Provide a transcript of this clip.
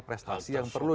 prestasi yang perlu